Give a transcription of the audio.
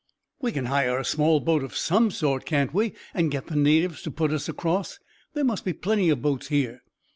"We can hire a small boat of some sort, can't we, and get the natives to put us across? There must be plenty of boats here."